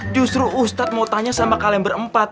justru ustadz mau tanya sama kalian berempat